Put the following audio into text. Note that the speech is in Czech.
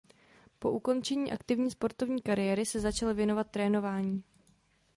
Po ukončení aktivní sportovní kariéry se začal věnovat trénování.